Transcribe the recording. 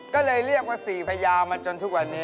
ก็เลยเรียกว่าสี่พญามาจนทุกวันนี้